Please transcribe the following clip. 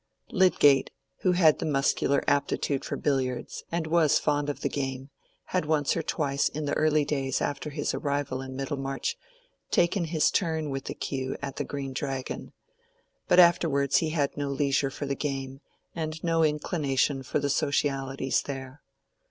Lydgate, who had the muscular aptitude for billiards, and was fond of the game, had once or twice in the early days after his arrival in Middlemarch taken his turn with the cue at the Green Dragon; but afterwards he had no leisure for the game, and no inclination for the socialities there.